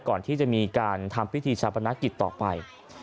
ก่อนที่จะมีการทำพิธีชาปนกิจต่อไป